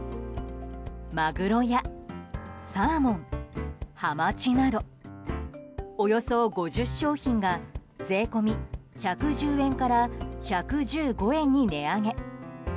まぐろやサーモン、はまちなどおよそ５０商品が税込み１１０円から１１５円に値上げ。